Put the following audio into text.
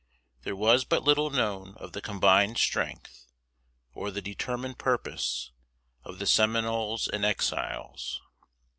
There was but little known of the combined strength, or the determined purpose, of the Seminoles and Exiles.